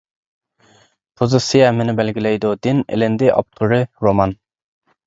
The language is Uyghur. «پوزىتسىيە ھەممىنى بەلگىلەيدۇ» دىن ئېلىندى ئاپتورى: رومان.